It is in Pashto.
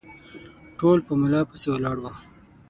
ټول په ملا پسې ولاړ وه